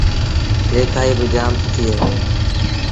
ليکآئيٚ با جآم سُٺيٚ اهي